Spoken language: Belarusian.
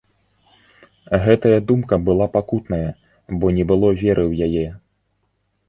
Гэтая думка была пакутная, бо не было веры ў яе.